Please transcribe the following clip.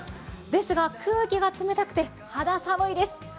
ですが、空気が冷たくて肌寒いです。